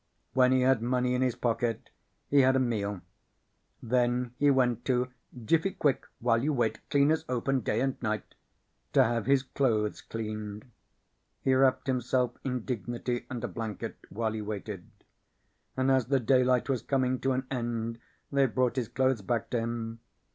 When he had money in his pocket, he had a meal. Then he went to Jiffy Quick While You Wait Cleaners Open Day and Night to have his clothes cleaned. He wrapped himself in dignity and a blanket while he waited. And as the daylight was coming to an end, they brought his clothes back to him.